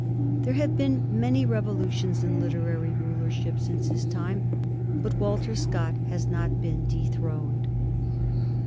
There have been many revolutions in literary rulership since his time, but Walter Scott has not been dethroned.